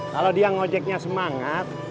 kalau dia ngojeknya semangat